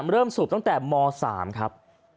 เริ่มสูบตั้งแต่ม๓ครับ